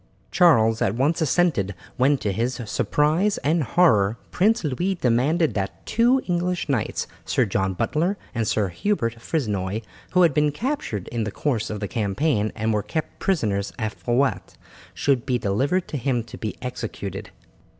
Charles at once assented, when, to his surprise and horror, Prince Louis demanded that two English knights, Sir John Butler and Sir Hubert Frisnoy, who had been captured in the course of the campaign and were kept prisoners at Faouet, should be delivered to him to be executed.